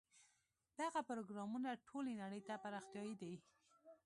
دغه پروګرامونه ټولې نړۍ ته پراختیايي دي.